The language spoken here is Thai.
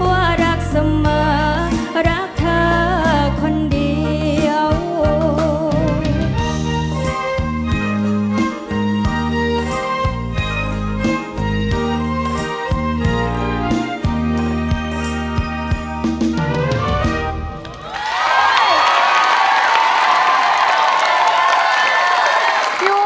ว่ารักเสมอรักเธอคนเดียว